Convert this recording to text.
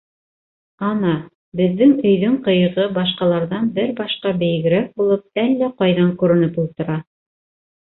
Ана, беҙҙең өйҙөң ҡыйығы башҡаларҙан бер башҡа бейегерәк булып әллә ҡайҙан күренеп ултыра.